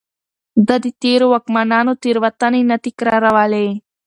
ده د تېرو واکمنانو تېروتنې نه تکرارولې.